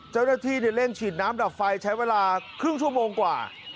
เจ้าหน้าที่เร่งฉีดน้ำดับไฟใช้เวลาครึ่งชั่วโมงกว่า